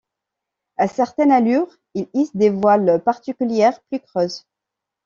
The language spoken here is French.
À certaines allures, il hisse des voiles particulières, plus creuses.